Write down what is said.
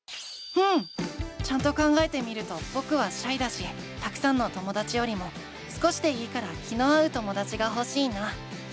うん！ちゃんと考えてみるとぼくはシャイだしたくさんのともだちよりも少しでいいから気の合うともだちがほしいな。